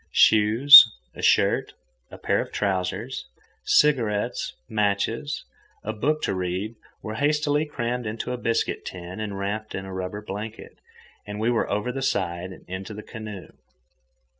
Shoes, a shirt, a pair of trousers, cigarettes, matches, and a book to read were hastily crammed into a biscuit tin and wrapped in a rubber blanket, and we were over the side and into the canoe.